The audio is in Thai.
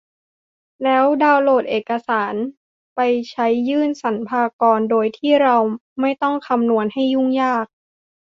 แล้วดาวน์โหลดเอกสารไปใช้ยื่นสรรพากรโดยที่เราไม่ต้องคำนวณให้ยุ่งยาก